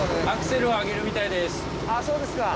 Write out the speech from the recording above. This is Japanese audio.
アクセルを上げるみたいです。